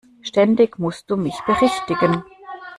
Ständig musst du mich berichtigen!